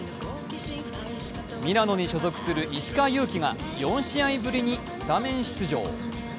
ミラノに所属する石川祐希が４試合ぶりにスタメン出場。